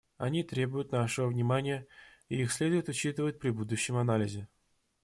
Они требуют нашего внимания, и их следует учитывать при будущем анализе.